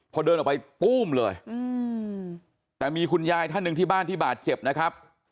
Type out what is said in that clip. พอเดินออกไปตู้มเลยแต่มีคุณยายท่านหนึ่งที่บ้านที่บาดเจ็บนะครับ